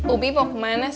ubi bau kemana sih